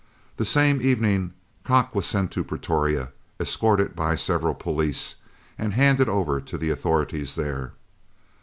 The same evening Kock was sent to Pretoria, escorted by several police, and handed over to the authorities there.